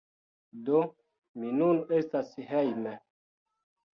Do, mi nun estas hejme